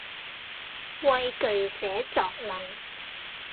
畏懼寫作文